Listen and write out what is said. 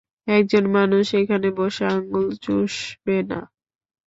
একজন মানুষ এখানে বসে আঙ্গুল চুষবে না।